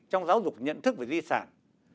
trong giáo dục nhận thức về di sản